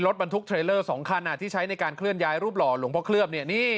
รถบรรทุกเทรลเลอร์๒คันที่ใช้ในการเคลื่อนย้ายรูปหล่อหลวงพ่อเคลือบ